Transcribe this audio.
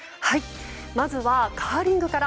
まずはカーリンから。